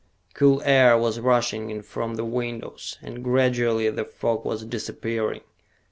Cool air was rushing in from the windows, and gradually the fog was disappearing.